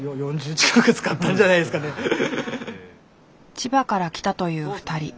千葉から来たという２人。